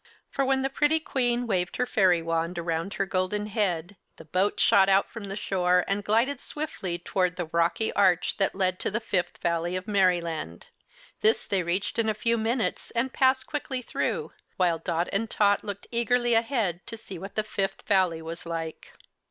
For when the pretty Queen waved her fairy wand around her golden head, the boat shot out from the shore and glided swiftly toward the rocky arch that led to the Fifth Valley of Merryland. This they reached in a few minutes and passed quickly through, while Dot and Tot looked eagerly ahead to see what the Fifth Valley was like.